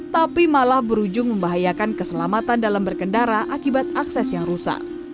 tapi malah berujung membahayakan keselamatan dalam berkendara akibat akses yang rusak